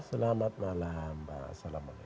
selamat malam mbak